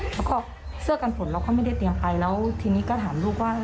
แล้วก็เสื้อกันฝนเราก็ไม่ได้เตรียมไปแล้วทีนี้ก็ถามลูกว่า